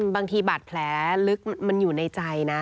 บางทีบาดแผลลึกมันอยู่ในใจนะ